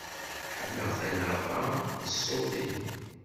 Ḥemmleɣ tanaɣa n ṣṣut-im.